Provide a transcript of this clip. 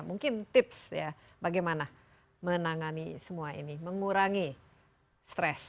mungkin tips ya bagaimana menangani semua ini mengurangi stres